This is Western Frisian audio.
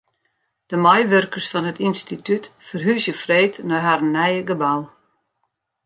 De meiwurkers fan it ynstitút ferhúzje freed nei harren nije gebou.